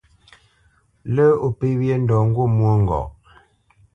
Lə́ o pé wyê ndɔ ŋgût mwôŋgɔʼ.